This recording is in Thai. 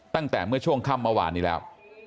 ตั้งแต่เมื่อช่วงค่ำเมื่อวานนี้แล้ว